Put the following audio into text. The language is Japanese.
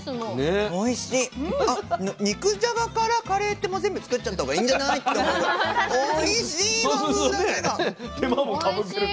肉じゃがからカレーって全部作っちゃった方がいいんじゃないって思うぐらいおいしい和風だしが。